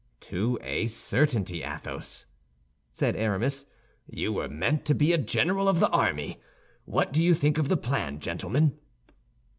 "To a certainty, Athos," said Aramis, "you were meant to be a general of the army! What do you think of the plan, gentlemen?"